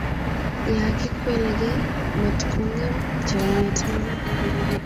ya kikwele gei matko ngem chamiet nenyon